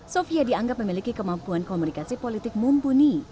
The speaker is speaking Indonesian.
sofia dianggap memiliki kemampuan komunikasi politik mumpuni